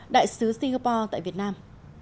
đại sứ singapore tại việt nam